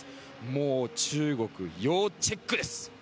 もう中国、要チェックです。